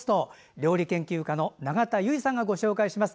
料理研究家のナガタユイさんがご紹介します。